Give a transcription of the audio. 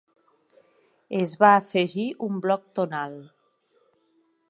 Es va afegir un bloc tonal.